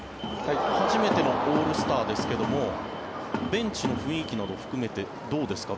初めてのオールスターですけどもベンチの雰囲気など含めていかがですか。